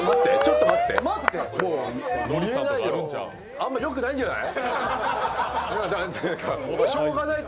あんまよくないんじゃない？